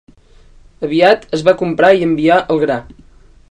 Aviat es va comprar i enviar el gra.